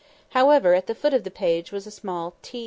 However, at the foot of the page was a small "T.